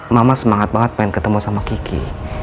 mama semangat mangat ingin ketemu sama kiki